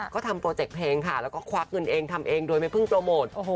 ก็ทำโปรเจกต์เพลงค่ะแล้วก็ควักเงินเองทำเองโดยไม่เพิ่งโปรโมท